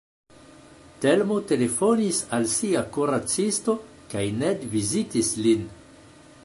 Telmo telefonis al sia kuracisto kaj Ned vizitis lin.